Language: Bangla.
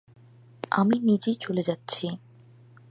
আমি নিজেই চলে যাচ্ছি।